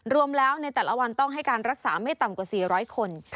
รวมแล้วในแต่ละวันต้องให้การรักษาไม่ต่ำกว่า๔๐๐คน